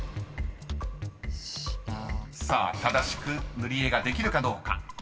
［さあ正しく塗り絵ができるかどうか］